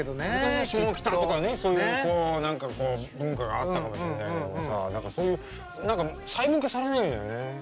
昔は下北とかねそういう何かこう文化があったかもしれないけどもさ何かそういう細分化されないのよね。